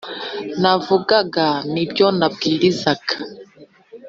Navugaga n ibyo nabwirizaga